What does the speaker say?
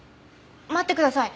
待ってください。